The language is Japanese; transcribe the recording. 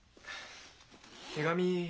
手紙。